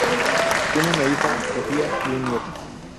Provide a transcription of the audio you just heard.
Tiene una hija, Sofía y un nieto.